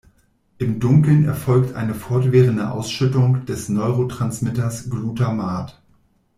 Im Dunkeln erfolgt eine fortwährende Ausschüttung des Neurotransmitters Glutamat.